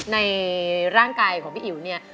ในร่างกายของพี่อิ๋วเนี่ย